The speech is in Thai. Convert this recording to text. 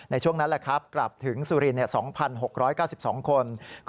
ในช่วงนั้นกลับถึงสุรินทร์๒๖๙๒คน